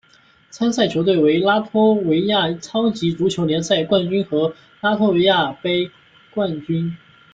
参赛球队为拉脱维亚超级足球联赛冠军和拉脱维亚杯冠军。